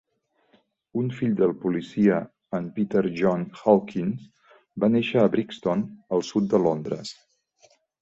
Un fill del policia, en Peter John Hawkins, va néixer a Brixton, al sud de Londres.